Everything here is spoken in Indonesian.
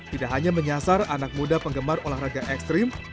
tidak hanya menyasar anak muda penggemar olahraga ekstrim